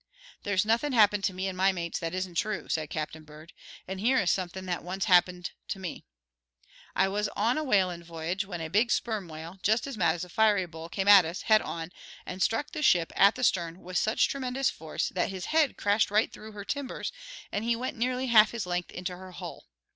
"There's nothing happened to me and my mates that isn't true," said Captain Bird, "and here is something that once happened to me: I was on a whaling v'yage when a big sperm whale, just as mad as a fiery bull, came at us, head on, and struck the ship at the stern with such tremendous force that his head crashed right through her timbers and he went nearly half his length into her hull.